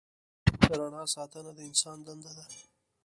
د رڼا ساتنه د انسان دنده ده.